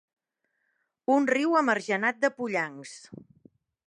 Un riu amargenat de pollancs.